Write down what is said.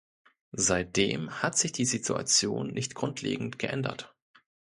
Seitdem hat sich die Situation nicht grundlegend geändert.